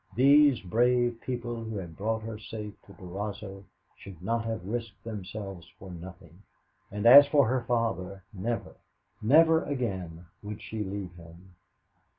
These brave people who had brought her safe to Durazzo should not have risked themselves for nothing. And as for her father, never, never again would she leave him.